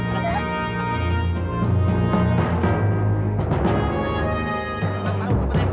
kamu mau ke pantai kerja gak